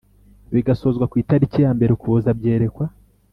bigasozwa ku itariki ya mbere Ukuboza Byerekwa